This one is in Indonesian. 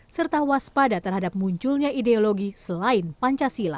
serta waspada terhadap munculnya ideologi selain pancasila